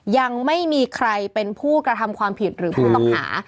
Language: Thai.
ยังไม่มีใครเป็นผู้กระทำความผิดหรือผู้ต้องหา